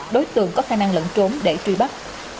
đối tượng có khả năng lẫn trốn để truy bắt